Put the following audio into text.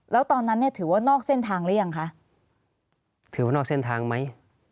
แล้วตอนนั้นเนี่ยถือว่านอกเส้นทางหรือยังคะถือว่านอกเส้นทางไหม